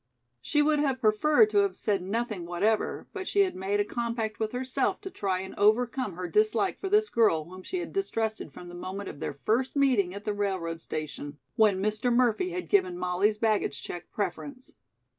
She would have preferred to have said nothing whatever, but she had made a compact with herself to try and overcome her dislike for this girl whom she had distrusted from the moment of their first meeting at the railroad station when Mr. Murphy had given Molly's baggage check preference.